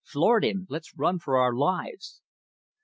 "Floored him! Let's run for our lives."